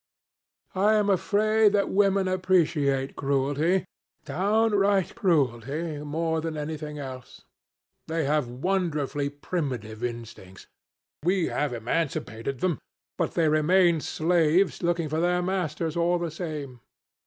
"I am afraid that women appreciate cruelty, downright cruelty, more than anything else. They have wonderfully primitive instincts. We have emancipated them, but they remain slaves looking for their masters, all the same.